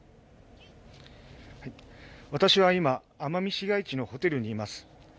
私は今、奄美市街地のホテルにいます。